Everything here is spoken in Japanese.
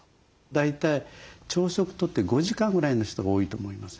大体朝食とって５時間ぐらいの人が多いと思いますね。